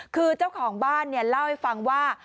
คือเจ้าของบ้านเนี่ยเล่าให้ฟังว่า